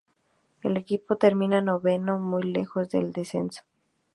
El equipo termina noveno, muy lejos del descenso.